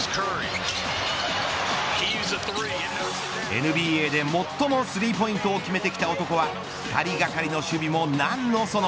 ＮＢＡで最もスリーポイントを決めてきた男は２人がかりの守備も何のその。